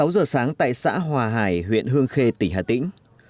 sáu giờ sáng tại xã hòa hải huyện hương khê tỉnh hà tĩnh